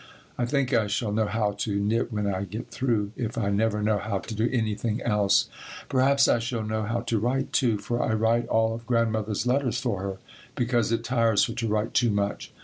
I think I shall know how to knit when I get through, if I never know how to do anything else. Perhaps I shall know how to write, too, for I write all of Grandmother's letters for her, because it tires her to write too much.